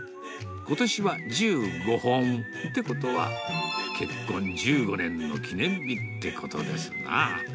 ことしは１５本。ってことは、結婚１５年の記念日ってことですなぁ。